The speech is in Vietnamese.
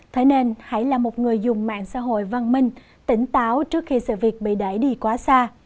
thế nên hải là một người dùng mạng xã hội văn minh tỉnh táo trước khi sự việc bị đẩy đi quá xa